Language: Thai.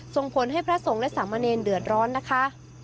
ส่งผลให้พระสงฆ์และสามเณรเดือดร้อนนะคะ